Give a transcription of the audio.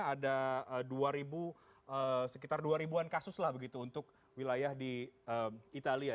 ada sekitar dua ribu an kasus lah begitu untuk wilayah di italia